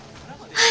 はい。